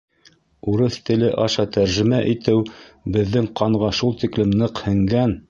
— Урыҫ теле аша тәржемә итеү беҙҙең ҡанға шул тиклем ныҡ һеңгән.